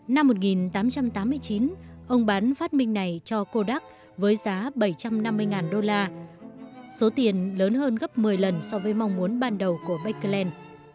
năm một nghìn tám trăm tám mươi chín ông bán phát minh này cho covda với giá bảy trăm năm mươi đô la số tiền lớn hơn gấp một mươi lần so với mong muốn ban đầu của beckland